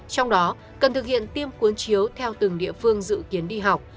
trong đó cần thực hiện tiêm cuốn chiếu theo từng địa phương dự kiến đi học